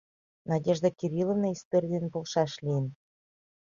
Надежда Кирилловна историй дене полшаш лийын.